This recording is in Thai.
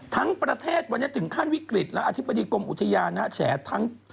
ทั้งประเทศวันนี้ถึงขั้นวิกฤตและอธิบดีกรมอุทยานแฉทั้ง